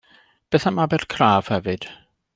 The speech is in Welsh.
Beth am Abercraf, hefyd?